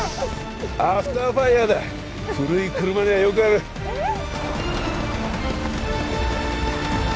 アフターファイヤーだ古い車にはよくあるえっ？